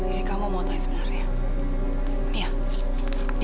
jadi kamu mau tanya sebenarnya